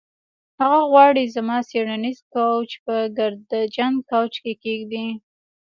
هغه غواړي زما څیړنیز کوچ په ګردجن کونج کې کیږدي